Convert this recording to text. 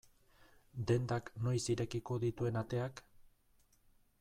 Dendak noiz irekiko dituen ateak?